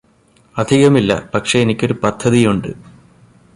അധികമില്ല പക്ഷേ എനിക്കൊരു പദ്ധതിയുണ്ട്